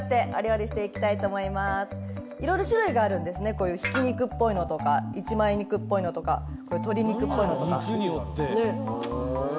こういうひき肉っぽいのとか一枚肉っぽいのとか鶏肉っぽいのとか。